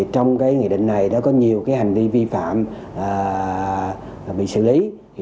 trong nghị định này đã có nhiều hành vi vi phạm bị xử lý